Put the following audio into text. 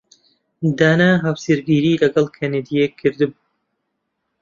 دانا هاوسەرگیریی لەگەڵ کەنەدییەک کردبوو.